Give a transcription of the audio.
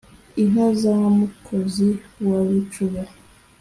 Inka za Mukozi wa Bicuba